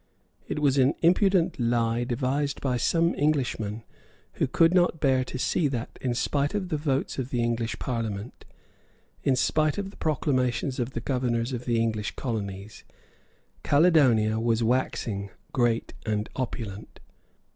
It was an impudent lie devised by some Englishmen who could not bear to see that, in spite of the votes of the English Parliament, in spite of the proclamations of the governors of the English colonies, Caledonia was waxing great and opulent.